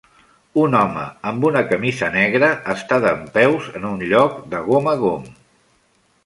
Un home amb una camisa negra està dempeus en un lloc de gom a gom.